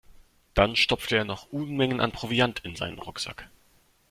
Dann stopfte er noch Unmengen an Proviant in seinen Rucksack.